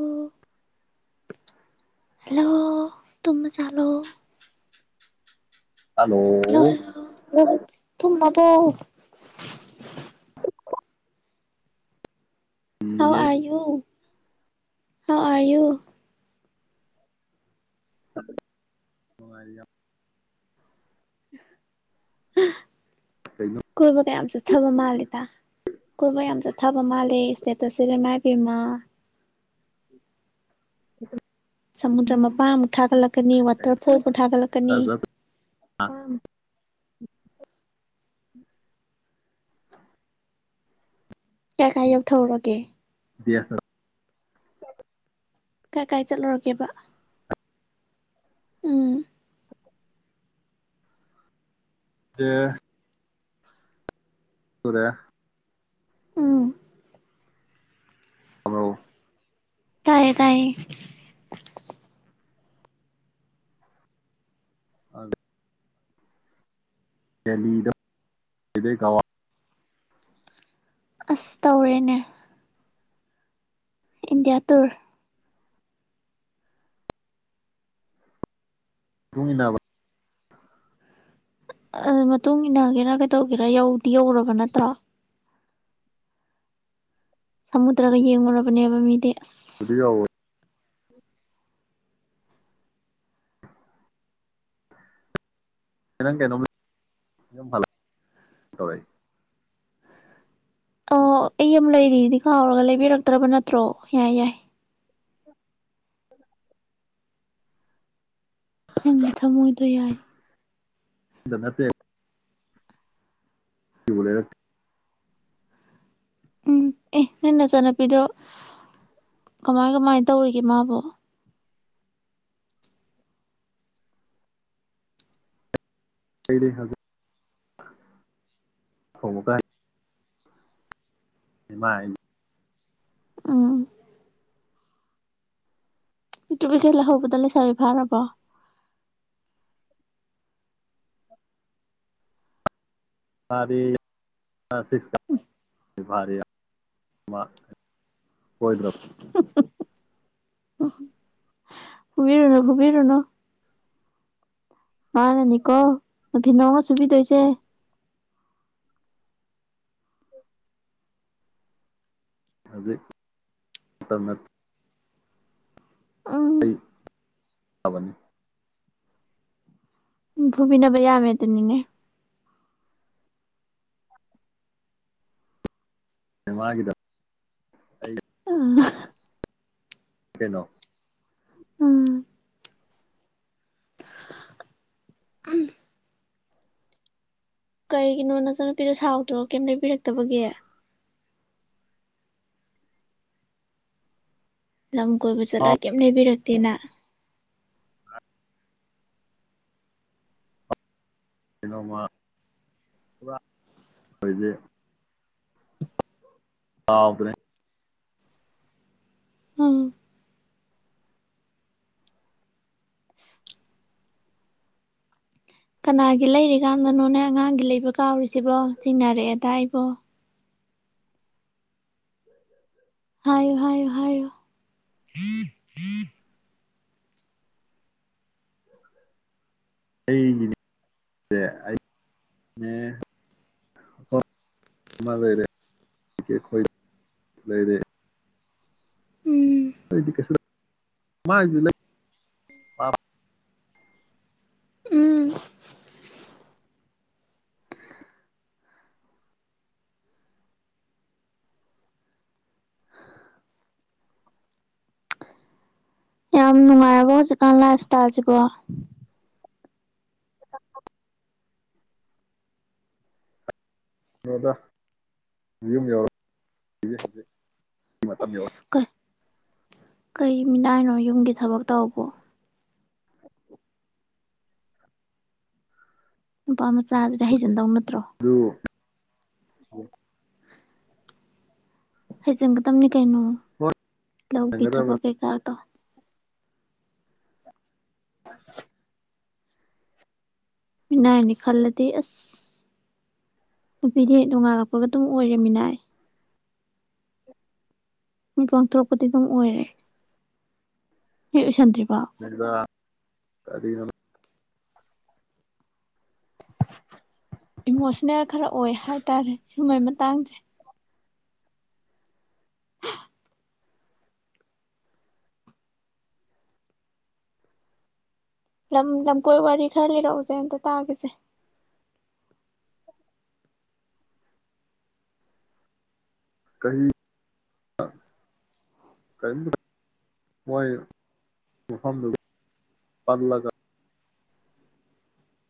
ꯑ ꯍꯜꯂꯣ ꯇꯨꯁ ꯆꯥꯂꯨ ꯁ ꯍꯜꯂꯣ [inaudible] ꯍꯥꯎꯌꯨ ꯍꯥꯎꯌꯨ ꯅꯨꯡꯉ ꯀꯩꯅꯣ [inaudible] ꯀꯕ ꯀꯥꯏ ꯑꯝ ꯆ ꯊꯕ ꯃꯥꯜꯂꯦ ꯀꯣꯏꯕ ꯌꯥꯝ ꯆꯠ ꯊꯥꯕ ꯃꯥꯜꯂꯦ ꯏꯁꯇꯦꯇꯠꯁꯤꯗ ꯏꯃꯥ [unintelligible] ꯁꯃꯨꯗ꯭ꯔ ꯃꯄꯥꯟꯕꯨꯨ ꯊꯥꯒꯠꯂꯛꯀꯅꯤ ꯀꯩꯅꯣ ꯋꯥꯇꯔꯐꯣꯜꯕꯨ ꯊꯥꯒꯠꯂꯛꯀꯅꯤ ꯎ ꯀꯌꯥ ꯀꯥꯏ ꯌꯧꯊꯔꯒꯦ ꯗꯤꯌꯥꯁ ꯀꯥꯏ ꯀꯥꯏ ꯆꯠꯂꯨꯔꯒꯦꯕ ꯎꯝ ꯑ ꯇꯨꯔꯦ ꯎꯝ ꯍꯂꯣ ꯇꯥꯌꯦ ꯇꯥꯌꯦ ꯑꯗ [inaudible] ꯑꯁ ꯇꯧꯔꯦꯅꯦ ꯏꯟꯗꯤꯌꯥ ꯇꯨꯔ ꯇꯨꯡ ꯏꯟꯅꯥꯕ ꯑꯗꯨ ꯃꯇꯨꯡ ꯏꯟꯅꯒꯦꯔꯥ ꯀꯩꯗꯧꯒꯦꯔ ꯌꯧꯗꯤ ꯌꯧꯔꯕ ꯅꯠꯇ꯭ꯔ ꯁꯃꯨꯗ꯭ꯔꯒ ꯌꯦꯡꯉꯨꯔꯕꯅꯦꯕ ꯃꯤꯗꯤ ꯑꯁ ꯌꯧꯔꯦ ꯅꯪ ꯀꯩꯅꯣꯝ ꯌ ꯐ ꯇꯧꯔꯛꯏ ꯑꯣ ꯑꯩ ꯑꯃ ꯂꯩꯔꯤꯗꯤ ꯀꯥꯎꯔꯒ ꯂꯩꯕꯤꯔꯛꯇ꯭ꯔꯕ ꯅꯠꯇ꯭ꯔꯣ ꯌꯥꯏ ꯌꯥꯏ ꯅꯪꯒꯤ ꯊꯃꯣꯏꯗꯣ ꯌꯥꯏ ꯅꯠꯇꯦ ꯕꯨꯔ ꯎꯝ ꯑꯦ ꯅꯪ ꯅꯆꯥꯟꯅꯨꯄꯤꯗꯣ ꯀꯃꯥꯏ ꯀꯃꯥꯏꯅ ꯇꯧꯔꯤꯒꯦ ꯃꯥꯕꯣ ꯑꯩꯅ ꯍꯧꯖꯤꯛ ꯍꯣꯡꯃ ꯀꯥꯏ ꯏꯃꯥꯏ ꯎꯝ ꯄꯤꯛꯇ꯭ꯔꯨ ꯄꯤꯛꯈꯩ ꯂꯩꯍꯧꯕꯗꯨ ꯂꯩꯁꯥꯕꯤ ꯐꯥꯔꯕꯣ ꯐꯥꯔꯤ ꯀꯂ꯭ꯁ ꯁ꯭ꯔꯤꯁ ꯀꯔꯦ ꯃꯥ ꯐꯨꯕ ꯁꯣꯏꯗ꯭ꯔꯕ ꯐꯨꯕꯤꯔꯨꯅꯣ ꯐꯨꯕꯤꯔꯨꯅꯣ ꯃꯥꯅꯅꯤꯀꯣ ꯅꯐꯤ ꯅꯔꯣꯜ ꯁꯨꯕꯤꯗꯣꯏꯁꯦ ꯍꯧꯖꯤꯛ ꯎꯝ ꯑꯩ ꯇꯥꯕꯅꯤ ꯎꯝ ꯐꯨꯕꯤꯅꯕ ꯌꯥꯝꯃꯦ ꯑꯗꯨꯅꯤꯅꯦ ꯃꯥꯒꯤꯗꯃꯛ ꯑꯩ ꯂꯩ ꯀꯩꯅꯣ ꯎꯝ ꯀꯩꯒꯤꯅꯣ ꯅꯆꯟꯅꯨꯄꯤꯗꯣ ꯁꯥꯎꯗ꯭ꯔꯣ ꯀꯩꯝ ꯂꯩꯕꯤꯔꯛꯇꯕꯒꯦ ꯂꯝ ꯀꯣꯏꯕ ꯆꯠꯂꯒ ꯀꯩꯝ ꯂꯩꯕꯤꯔꯛꯇꯦꯅ ꯀꯩꯅꯣꯃ ꯄꯨꯗꯤ ꯀꯥꯎꯒ꯭ꯔꯦ ꯎꯝ ꯀꯅꯥꯒꯤ ꯂꯩꯔꯤꯀꯥꯟꯗꯅꯣꯅꯦ ꯑꯉꯥꯡꯒꯤ ꯂꯩꯕ ꯀꯥꯎꯔꯤꯁꯤꯕꯣ ꯆꯤꯡꯅꯔꯛꯑꯦꯗ ꯑꯩꯕꯣ ꯍꯥꯏꯣ ꯍꯥꯏꯣ ꯍꯥꯏꯣ ꯑꯩꯒꯤ ꯂꯩꯔꯦꯈ ꯂꯩꯔꯦ ꯎꯝ ꯑꯗꯨꯗꯤꯛꯀ ꯃꯥ ꯏ ꯂꯩ ꯎꯝ ꯌꯥꯝ ꯅꯨꯡꯉꯥꯏꯔꯕ ꯍꯧꯖꯤꯛꯀꯥꯟ ꯂꯥꯏꯞ ꯏꯁꯇꯥꯏꯜꯁꯤꯕꯣ [unintelligible] ꯅꯣꯗ ꯌꯌꯨꯝ ꯌꯥꯎꯔꯛ ꯏꯁ ꯀ ꯀꯩ ꯃꯤꯅꯥꯏꯅꯣ ꯌꯨꯝꯒꯤ ꯊꯕꯛ ꯇꯧꯕꯧꯕꯣ ꯄ ꯃ ꯆꯥꯖꯔꯍꯤꯖꯗ ꯎꯅꯇ ꯑꯗꯨꯣ ꯍꯩ ꯆꯪꯒ ꯇꯝꯅꯤ ꯀꯩꯅꯣ ꯍꯣꯏ ꯂꯧꯒꯤ ꯊꯕꯛ ꯌꯦꯡꯒꯗꯕꯅꯤꯗ ꯀꯩꯀꯥꯗ ꯑ ꯃꯤꯅꯥꯏꯅꯤ ꯈꯜꯂꯗꯤ ꯑꯁ ꯅꯨꯄꯤꯗꯤ ꯣꯡꯉꯥꯜꯔꯛꯄꯒ ꯑꯗꯨꯝ ꯑꯣꯏꯔꯦ ꯃꯤꯅꯥꯏ ꯃꯤ ꯄꯥꯡꯊꯣꯔꯛꯄꯗꯤ ꯑꯗꯨꯝ ꯑꯣꯏꯔꯦ ꯍ ꯑꯣꯏꯁꯟꯗ꯭ꯔꯤ ꯃꯗꯨꯒ ꯀꯗꯅ ꯏꯃꯣꯁꯅꯦꯜ ꯈꯔ ꯑꯣꯏ ꯍꯥꯏ ꯇꯔꯦ ꯁꯤꯨꯝꯕꯩ ꯃꯇꯥꯡꯁꯦ ꯂꯝ ꯂꯝꯀꯣꯏ ꯋꯥꯔꯤ ꯈꯔ ꯂꯩꯔꯛꯎꯁꯦ ꯑꯟꯇ ꯇꯥꯈꯤꯁꯦ ꯀ ꯀ ꯃꯂ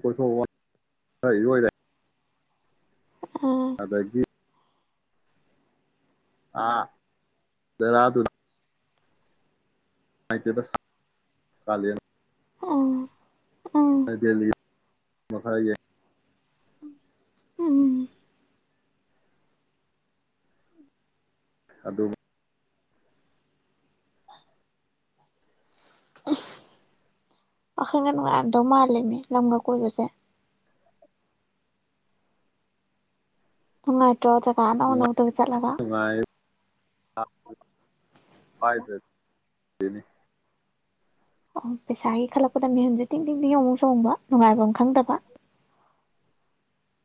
ꯣꯏꯊ ꯑꯥ ꯑꯗꯨꯗꯒꯤ ꯑꯥ ꯔ ꯑꯗꯨ ꯍꯥꯏꯥꯏꯇꯗ ꯀꯥ ꯑ ꯃ ꯗꯜꯂꯤ ꯃꯈꯊꯥꯏ ꯎꯝ ꯑꯗꯨ ꯄꯥꯈꯜꯒ ꯉꯥꯟꯗꯧ ꯃꯥꯜꯂꯦꯅꯦ ꯂꯝꯒ ꯀꯣꯏꯕꯁꯦ ꯎꯉ ꯆꯀꯅ ꯎꯅꯇꯒ ꯆꯠꯂ ꯅꯤ ꯑꯣ ꯄꯩꯁꯥꯒꯤ ꯈꯜꯂꯛꯄꯗ ꯃꯤꯍꯟꯁꯦ ꯇꯤꯡ ꯇꯤꯡ ꯇꯤꯡ ꯌꯦꯡꯉꯨ ꯆꯣꯡꯕ ꯅꯨꯡꯉꯥꯏꯕ ꯑꯃ ꯈꯪꯗꯕ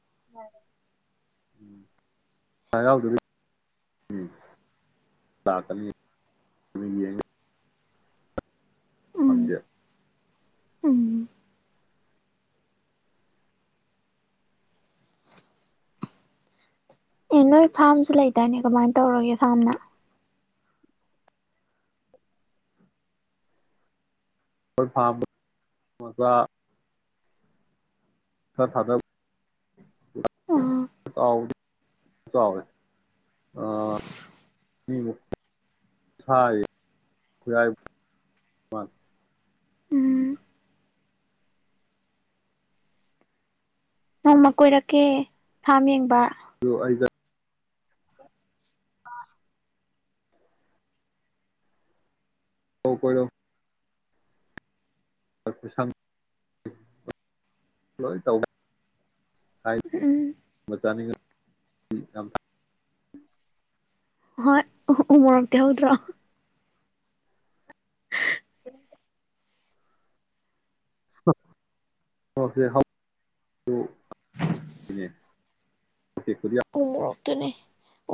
ꯝ ꯂꯥꯛꯀ ꯎꯝ ꯄꯟꯖ ꯎꯝ ꯑꯦ ꯅꯣꯏ ꯐꯥꯔꯝꯁꯨ ꯂꯩꯇꯅꯦ ꯀꯃꯥꯏꯅ ꯇꯧꯔꯒꯦ ꯐꯥꯔꯝꯅ ꯐꯥ ꯃꯖꯥ ꯎꯝ ꯈꯔ ꯊꯥꯗꯕꯋꯦ ꯎꯝ ꯁꯥꯏ ꯅꯣꯡꯃ ꯀꯣꯏꯔꯛꯀꯦ ꯊꯥꯝ ꯌꯦꯡꯕ ꯑꯩ ꯇꯔ ꯍꯥꯎ ꯀꯣ [unintelligible] ꯃꯅꯤꯡꯒ ꯎ ꯎꯝ ꯑꯝ ꯍꯣꯏ ꯎ ꯎ ꯃꯣꯔꯣꯛꯛꯇꯤꯍꯧꯗ꯭ꯔꯣ ꯎ ꯦꯅꯦ ꯦ ꯈꯨꯔꯤ ꯇꯅꯦ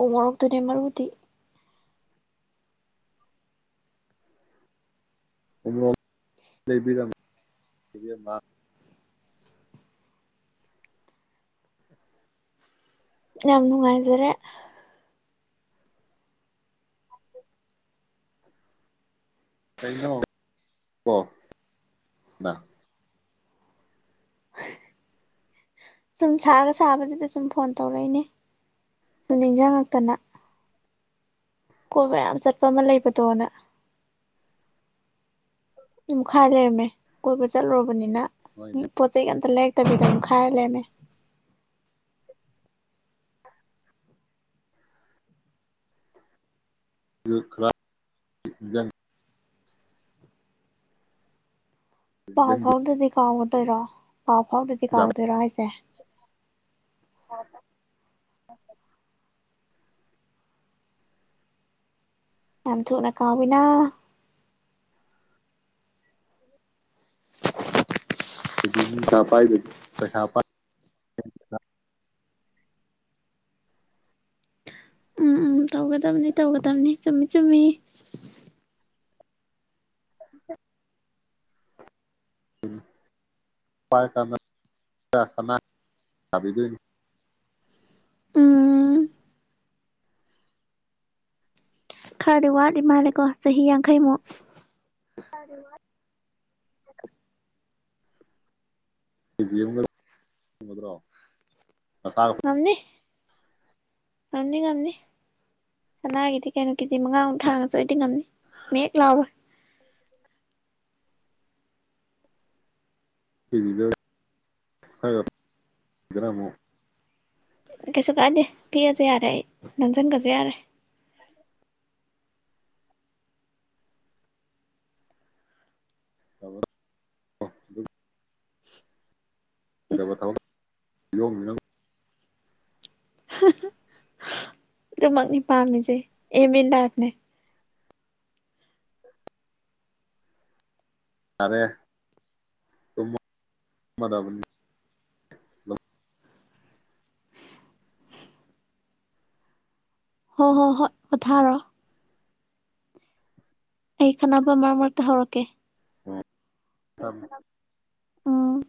ꯎꯃꯔꯛ ꯇꯅꯦ ꯃꯔꯔꯕꯨꯗꯤ ꯎꯣꯔꯔ ꯌꯥꯝ ꯌꯥꯝꯅꯅꯨꯡꯉꯥꯏꯗ꯭ꯔꯦ ꯀꯩꯅꯩꯅꯣꯣ ꯁꯨꯝ ꯁꯥꯒ ꯁꯥꯕꯁꯤꯗ ꯁꯨꯝ ꯐꯣꯟ ꯇꯧꯔꯛꯏꯅꯦ ꯁꯨꯝ ꯅꯤꯡꯁꯤꯡꯉꯛꯇꯅ ꯀꯣ ꯌꯥꯝ ꯆꯠ ꯑ ꯑꯃ ꯂꯩꯕꯗꯣꯅ ꯈꯥ ꯂꯩꯔꯝꯃꯦ ꯀꯣꯏꯕ ꯆꯠꯂꯨꯔꯕꯅꯤꯅ ꯎ ꯅꯣꯏꯅꯦ ꯄꯣ ꯆꯩ ꯀ ꯂꯩ ꯇꯕꯤꯗꯨ ꯈꯥꯏ ꯂꯩꯦꯃꯦ ꯑꯗꯨ ꯈꯔꯖꯪ ꯄꯥꯎ ꯅꯤꯡꯖꯪꯗꯦ ꯐꯥꯎꯅꯗꯤ ꯀꯥ ꯁꯠꯇꯔꯣ ꯄꯥꯎ ꯐꯥꯎꯗꯗꯤ ꯄꯩꯁꯥ ꯀꯥꯎꯗꯣꯏꯔꯣ ꯑꯩꯁꯦ ꯍ ꯍ ꯌꯥꯝ ꯊꯅꯀꯃꯤꯅꯥ ꯑꯗꯨꯒꯤ ꯄꯩꯁꯥ ꯄꯥꯏ ꯊ ꯎꯝ ꯎꯝ ꯇꯧꯒꯗꯝꯕꯅꯤ ꯇꯧꯒꯗꯕꯅꯤ ꯆꯨꯝꯃꯤ ꯆꯨꯝꯃꯤ ꯎꯝ ꯄꯥꯏꯔ ꯀꯥꯟꯗ ꯆꯥ ꯁꯅꯥ ꯁꯥꯕꯤꯗꯣꯏꯅꯤ ꯎꯝ ꯈꯔꯗꯤ ꯋꯥꯠꯂꯤ ꯃꯥꯜꯂꯦꯀꯣ ꯆꯍꯤ ꯌꯥꯡꯈꯩꯃꯨꯛ? [inaudible] ꯀꯦꯖꯤ ꯑꯃꯒ [inaudible] ꯉꯗ꯭ꯔꫭ ꯉꯝꯅꯤ ꯉꯝꯅꯤ ꯉꯝꯅꯤ ꯁꯅꯥꯒꯤꯗꯤ ꯀꯩꯅꯣ ꯀꯦꯖꯤ ꯃꯉꯥꯃꯨꯛ ꯊꯥꯡꯉꯁꯨ ꯑꯩꯗꯤ ꯉꯝꯅꯤ ꯃꯦꯛ ꯂꯥꯎꯔꯣꯏ꯫ ꯀꯦꯖꯤꯗ [unintelligible] ꯗꯅ ꯃꯨꯛ ꯀꯩꯁꯨ ꯀꯥꯗꯦ ꯄꯤꯔꯁꯨ ꯌꯥꯔꯦ ꯑꯩ ꯅꯝꯁꯤꯟꯒꯁꯨ ꯌꯥꯔꯦ ꯑꯕ ꯀꯣ ꯗꯨꯛ ꯗꯕ ꯊꯥꯕꯛ ꯌꯣ ꯃꯤ ꯅꯪ ꯍꯍ ꯑꯗꯨꯃꯛꯅꯤ ꯄꯥꯝꯃꯤꯁꯦ ꯑꯦꯝ ꯏꯟ ꯂꯥꯏꯐꯅꯦ ꯌꯥꯔꯦ ꯊꯨꯝ ꯃꯗꯕꯅꯤ ꯍꯣ ꯍꯣ ꯍꯣꯏ ꯄꯣꯊꯥꯔꯣ ꯑꯩ ꯈꯠꯅꯕ ꯃꯔꯛ ꯃꯔꯛꯇ ꯍꯧꯔꯛꯀꯦ [unintelligible] ꯑꯩ ꯈꯠꯅꯕ ꯑꯝ